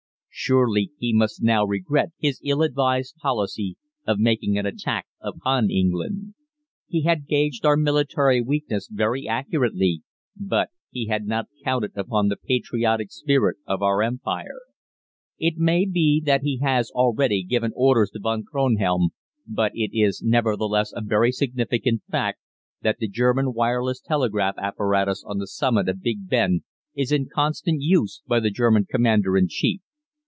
Surely he must now regret his ill advised policy of making an attack upon England. He had gauged our military weakness very accurately, but he had not counted upon the patriotic spirit of our Empire. It may be that he has already given orders to Von Kronhelm, but it is nevertheless a very significant fact that the German wireless telegraph apparatus on the summit of Big Ben is in constant use by the German Commander in Chief.